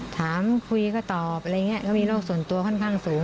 ถามคุยก็ตอบอะไรอย่างนี้ก็มีโรคส่วนตัวค่อนข้างสูง